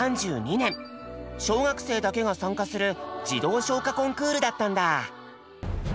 小学生だけが参加する「児童唱歌コンクール」だったんだ。